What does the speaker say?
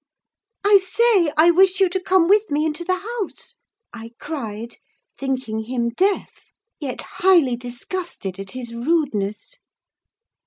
"I say, I wish you to come with me into the house!" I cried, thinking him deaf, yet highly disgusted at his rudeness.